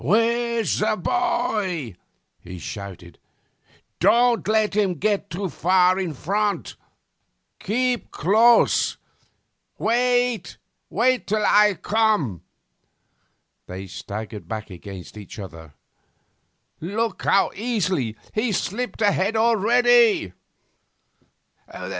'Where's the boy?' he shouted. 'Don't let him get too far in front. Keep close. Wait till I come!' They staggered back against each other. 'Look how easily he's slipped ahead already!